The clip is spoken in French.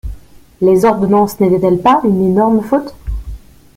Les ordonnances n'étaient-elles pas une énorme faute?